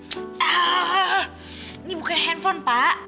ini bukan handphone pak